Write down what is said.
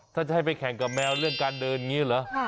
ถ้าจะให้ไปแข่งกับแมวเรื่องการเดินอย่างนี้เหรอ